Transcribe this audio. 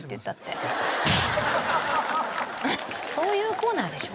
そういうコーナーでしょ？